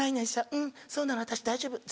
うんそうなの私大丈夫全然。